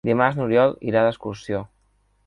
Dimarts n'Oriol irà d'excursió.